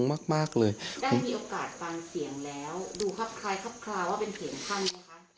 ได้มีโอกาสฟังเสียงแล้วดูคับคล้ายคับคล้าว่าเป็นเสียงท่านมั้ยคะ